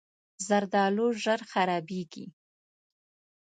زردالو ژر خرابېږي.